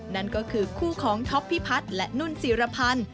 นั่นก็คือคู่ของท็อปพิพัฒน์และนุ่นจีรพันธ์